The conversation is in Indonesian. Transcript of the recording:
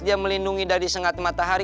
dia melindungi dari sengat matahari